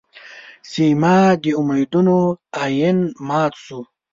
چې زما د امېدونو ائين مات شو